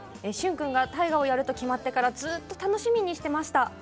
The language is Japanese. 旬君が大河ドラマをやると決まってからずっと楽しみにしていました。